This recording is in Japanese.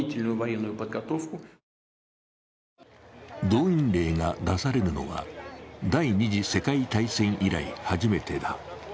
動員令が出されるのは第二次世界大戦以来、初めてだ。